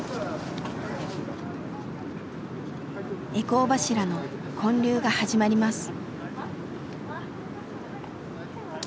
回向柱の建立が始まります。